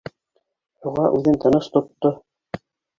Шуға үҙен тыныс тотто